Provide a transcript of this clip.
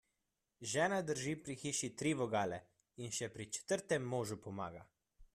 Žena drži pri hiši tri vogle in še pri četrtem možu pomaga.